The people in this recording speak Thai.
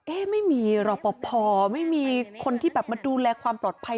ไม่มีรอปภไม่มีคนที่แบบมาดูแลความปลอดภัย